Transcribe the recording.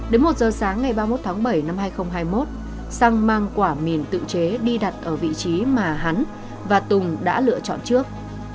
đến một giờ sáng ngày ba mươi một tháng bảy năm hai nghìn hai mươi một sang mang quả mìn tự chế đi đặt ở vị trí mà hắn và tùng đã lựa chọn trước